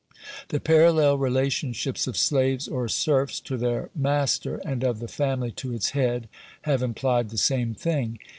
The parallel relationships of slaves or serfs to their master, and of the family to its head, have implied the same thing.